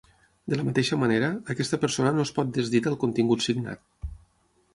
De la mateixa manera, aquesta persona no es pot desdir del contingut signat.